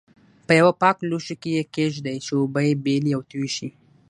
په یوه پاک لوښي کې یې کېږدئ چې اوبه یې بېلې او توی شي.